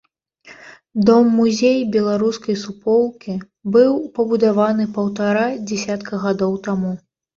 Дом-музей беларускай суполкі быў пабудаваны паўтара дзясятка гадоў таму.